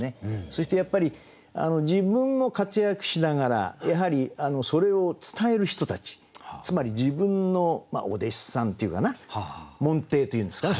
そしてやっぱり自分も活躍しながらやはりそれを伝える人たちつまり自分のお弟子さんというかな門弟というんですかね